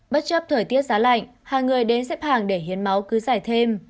bất chấp thời tiết giá lạnh hàng người đến xếp hàng để hiến máu cứ giải thêm